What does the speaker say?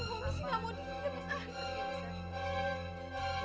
ummi sih ga mau dikit